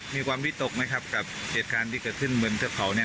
มีความวิตกไหมครับกับเหตุการณ์ที่เกิดขึ้นบนเทือกเขาเนี่ย